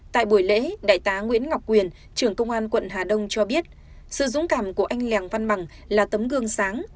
tại buổi lễ đại tá nguyễn ngọc quyền trưởng công an quận hà đông cho biết sự dũng cảm của anh lèng văn bằng là tấm gương sáng